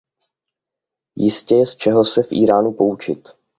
Jistě je z čeho se v Íránu poučit.